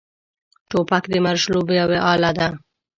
توپک د مرګ ژوبلې اله ده.